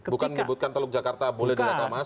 bukan menyebutkan teluk jakarta boleh direklamasi